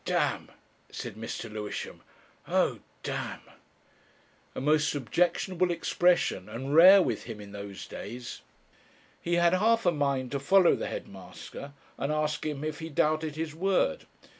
"Damn!" said Mr. Lewisham. "Oh! damn!" a most objectionable expression and rare with him in those days. He had half a mind to follow the head master and ask him if he doubted his word.